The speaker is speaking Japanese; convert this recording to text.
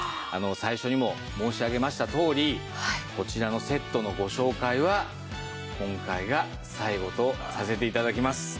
最初にも申し上げましたとおりこちらのセットのご紹介は今回が最後とさせて頂きます。